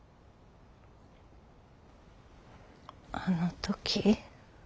あの時。